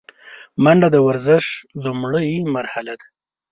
منډه د ورزش لومړۍ مرحله ده